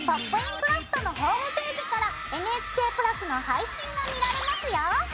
クラフト」のホームページからＮＨＫプラスの配信が見られますよ。